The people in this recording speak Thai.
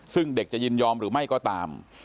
ซึ่งเด็กจะยินยอมหรือไม่ก็ตาม